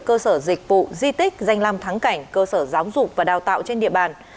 cơ sở dịch vụ di tích danh làm thắng cảnh cơ sở giáo dục và đào tạo trên địa bàn